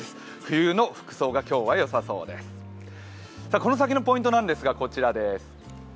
このさきのポイントなんですが、こちらです。